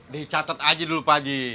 dicatat aja dulu pak ji